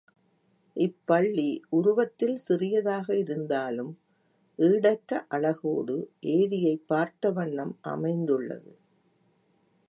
இப்பள்ளி உருவத்தில் சிறியதாக இருந்தாலும் ஈடற்ற அழகோடு ஏரியைப் பார்த்த வண்ணம் அமைந்துள்ளது.